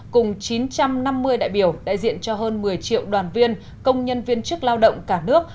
cùng chín trăm năm mươi đại biểu đại diện cho hơn một mươi triệu đoàn viên công nhân viên chức lao động cả nước